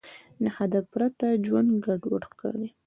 د هدف پرته ژوند ګډوډ ښکاري.